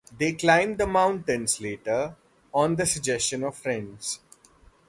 They climbed the mountains later, on the suggestion of friends.